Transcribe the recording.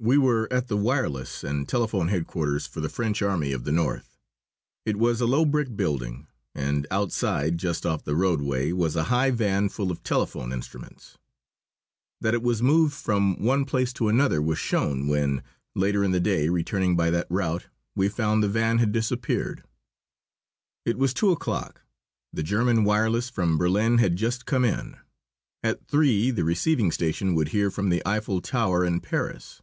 We were at the wireless and telephone headquarters for the French Army of the North. It was a low brick building, and outside, just off the roadway, was a high van full of telephone instruments. That it was moved from one place to another was shown when, later in the day, returning by that route, we found the van had disappeared. It was two o'clock. The German wireless from Berlin had just come in. At three the receiving station would hear from the Eiffel Tower in Paris.